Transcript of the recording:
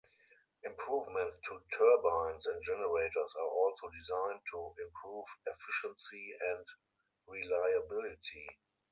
Improvements to turbines and generators are also designed to improve efficiency and reliability.